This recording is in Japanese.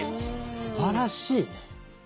すばらしいね！